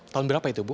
tahun berapa itu bu